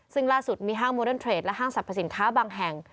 ซึ่งล่าสุดมีห้างโมเดิร์เทรดและห้างสรรพสินค้าบางแห่ง